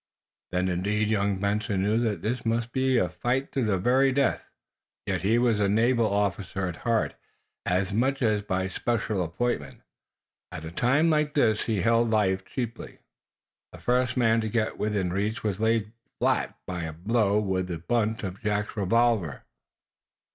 Then, indeed, young Benson knew that this must be a fight to the very death. Yet he was a naval officer at heart, as much as by special appointment. At a time like this he held life cheaply. The first man to get within reach was laid flat by a blow with the butt of Jack's revolver.